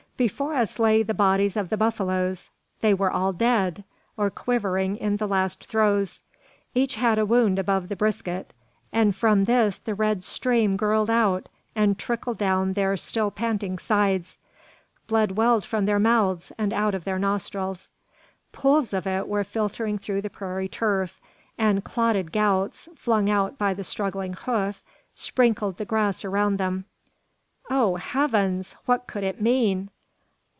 Before us lay the bodies of the buffaloes. They were all dead, or quivering in the last throes. Each bad a wound above the brisket, and from this the red stream gurled out, and trickled down their still panting sides. Blood welled from their mouths and out of their nostrils. Pools of it were filtering through the prairie turf; and clotted gouts, flung out by the struggling hoof, sprinkled the grass around them! "Oh, heavens! what could it mean?"